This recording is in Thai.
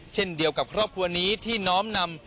เช่นเดียวกับครอบครัวนี้ที่น้อมนำ